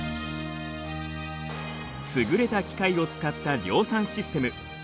優れた機械を使った量産システム。